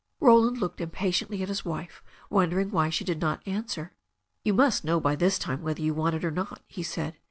Roland looked impatiently at his wife, wondering why she did not answer. "You must know by this time whether you want it or not," he said.